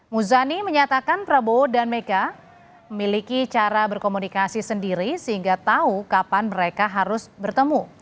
muzani menyatakan prabowo dan mega memiliki cara berkomunikasi sendiri sehingga tahu kapan mereka harus bertemu